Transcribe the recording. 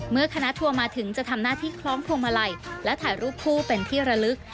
เมื่อคณะทัวร์มาถึงจะทำหน้าที่คล้องพวงมาลัยและถ่ายรูปคู่เป็นที่ระลึก